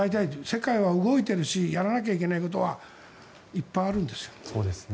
世界は動いているしやらなきゃいけないことはいっぱいあるんですよ。